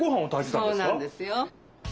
そうなんですよ。